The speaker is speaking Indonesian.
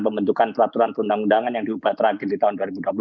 pembentukan peraturan perundang undangan yang diubah terakhir di tahun dua ribu dua puluh